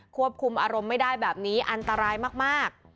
ควบคุมอารมณ์ไม่ได้แบบนี้อันตรายมาก